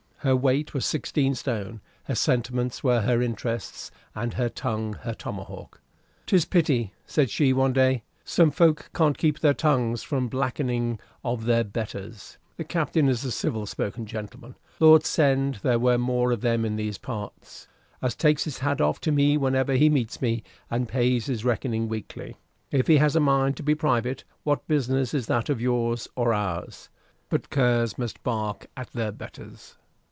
Her weight was sixteen stone, her sentiments were her interests, and her tongue her tomahawk. "'Tis pity," said she, one day, "some folk can't keep their tongues from blackening of their betters. The Captain is a civil spoken gentleman Lord send there were more of them in these parts! as takes his hat off to me whenever he meets me, and pays his reckoning weekly. If he has a mind to be private, what business is that of yours, or ours? But curs must bark at their betters."